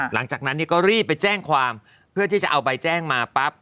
หลังจากนั้นก็รีบไปแจ้งความเพื่อที่จะเอาใบแจ้งมาปั๊บ